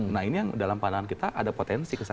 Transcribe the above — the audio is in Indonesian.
nah ini yang dalam pandangan kita ada potensi kesana